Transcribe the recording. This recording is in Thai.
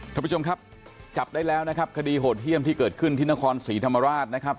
ท่านผู้ชมครับจับได้แล้วนะครับคดีโหดเยี่ยมที่เกิดขึ้นที่นครศรีธรรมราชนะครับ